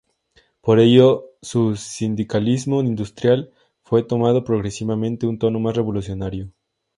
Por ello, su sindicalismo industrial fue tomando progresivamente un tono más revolucionario.